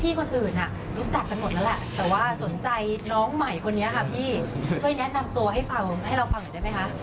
คนอื่นรู้จักกันหมดแล้วแหละแต่ว่าสนใจน้องใหม่คนนี้ค่ะพี่ช่วยแนะนำตัวให้ฟังให้เราฟังหน่อยได้ไหมคะ